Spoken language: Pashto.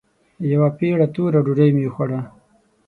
يوه پېړه توره ډوډۍ مې وخوړه.